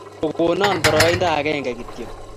Okonan poroindo agenge kityok